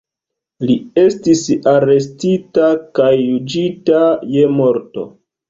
Li estis arestita kaj juĝita je morto.